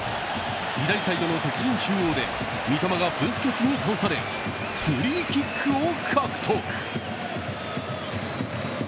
左サイドの敵陣中央で三笘がブスケツに倒されフリーキックを獲得。